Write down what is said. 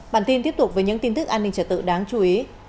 bản tin tiếp tục với những tin tức an ninh trở tự đáng chú ý